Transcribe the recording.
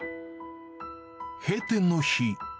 閉店の日。